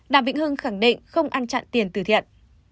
đàm vĩnh hưng khẳng định không ăn chặn tiền từ thiện